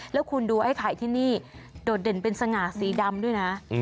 แล้วคุณดูไอ้ไข่ที่นี่โดดเด่นเป็นสง่าสีดำด้วยนะ